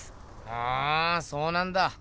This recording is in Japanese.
ふんそうなんだ。